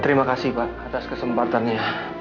terima kasih pak atas kesempatannya